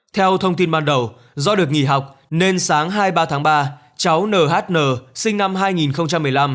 theo thông tin ban đầu do được nghỉ học nên sáng hai mươi ba tháng ba cháu nhn sinh năm hai nghìn một mươi năm